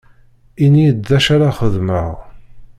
Ini-yi-d d acu ara xedmeɣ.